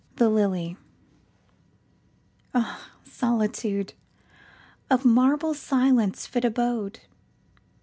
THE LILYAh, Solitude, Of marble Silence fit abode!